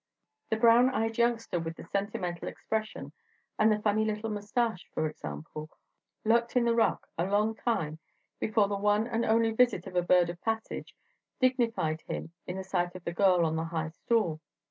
The brown eyed youngster with the sentimental expression and the funny little moustache, for example, lurked in the ruck a long time before the one and only visit of a bird of passage dignified him in the sight of the girl on the high stool.